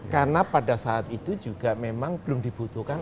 karena pada saat itu juga memang belum dibutuhkan